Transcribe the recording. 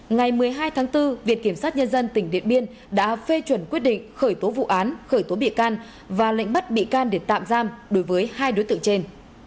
ngày một mươi hai tháng bốn viện kiểm sát nhân dân tỉnh điện biên đã phê chuẩn quyết định khởi tố vụ án khởi tố bị can và lệnh bắt bị can để tạm giam đối với hai đối tượng trên